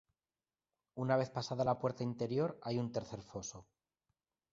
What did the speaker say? Una vez pasada la puerta interior hay un tercer foso.